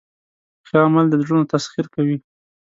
ښه عمل د زړونو تسخیر کوي.